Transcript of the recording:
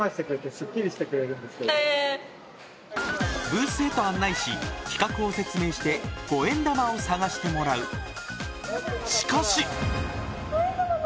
ブースへと案内し企画を説明して五円玉を探してもらうしかし！